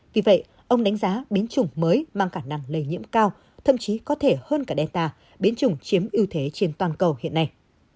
vì vậy ông đánh giá biến chủng mới mang khả năng lây nhiễm cao thậm chí có thể hơn cả delta biến chủng chiếm ưu thế trên toàn cầu hiện nay